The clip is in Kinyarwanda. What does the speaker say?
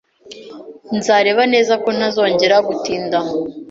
Nzareba neza ko ntazongera gutinda